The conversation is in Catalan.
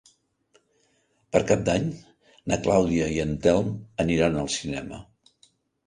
Per Cap d'Any na Clàudia i en Telm aniran al cinema.